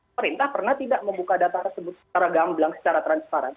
pemerintah pernah tidak membuka data tersebut secara gamblang secara transparan